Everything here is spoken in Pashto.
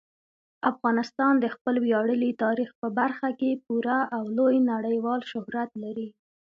افغانستان د خپل ویاړلي تاریخ په برخه کې پوره او لوی نړیوال شهرت لري.